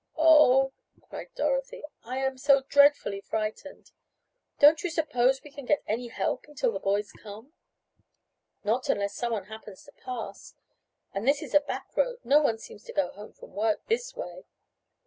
"Oh," cried Dorothy. "I am so dreadfully frightened. Don't you suppose we can get any help until the boys come?" "Not unless someone happens to pass. And this is a back road: no one seems to go home from work this way."